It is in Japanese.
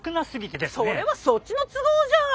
それはそっちの都合じゃん！